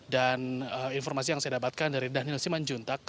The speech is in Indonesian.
dan informasi yang saya dapatkan dari daniel siman juntak